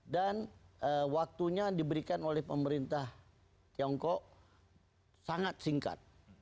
dan waktunya diberikan oleh pemerintah tiongkok sangat singkat